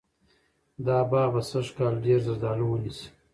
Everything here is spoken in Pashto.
دا باغ به سږکال ډېر زردالو ونیسي.